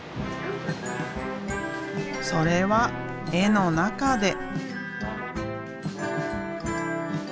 それは絵の中で。